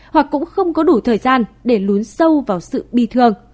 hoặc cũng không có đủ thời gian để lún sâu vào sự bi thương